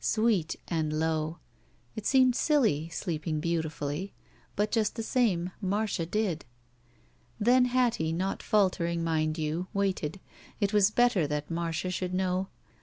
Sweet and low. It seemed silly, sleeping beautifully. But just the same, Marcia did. Then Hattie, not faltering, mind you, waited. It was better that Marcia should know.